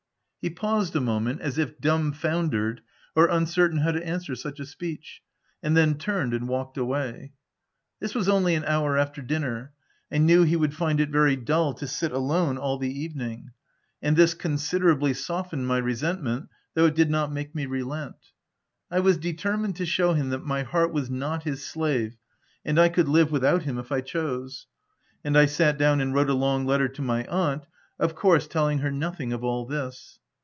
He paused a moment, as if dumbfoundered or uncertain how to answer such a speech, and then turned and walked away. This was only an hour after dinner : I knew he would find it very dull to sit alone all the evening ; and this considerably softened my resentment, though it did not make me relent. I was determined to shew him that my heart was not his slave, and I could live without him if I chose ; and I sat down and wrote a long letter to my aunt — of course telling her nothing of all this.